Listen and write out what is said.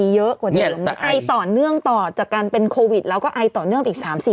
โหเหี้ยมเหมือนกันครับ